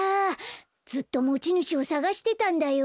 ずっともちぬしをさがしてたんだよ。